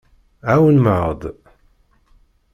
Ɛawnem-aɣ-d.